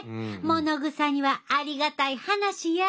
ものぐさにはありがたい話や。